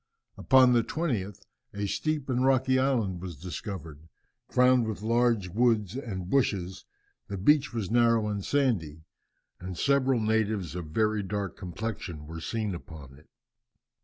Upon the 20th a steep and rocky island was discovered, crowned with large woods, and bushes; the beach was narrow and sandy, and several natives of very dark complexion were seen upon it.